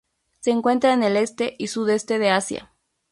Se encuentra en el este y Sudeste de Asia.